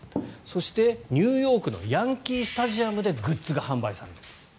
そして、ニューヨークのヤンキー・スタジアムでグッズが販売される。